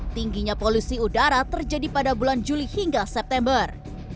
tingginya polusi udara terjadi pada bulan juli hingga september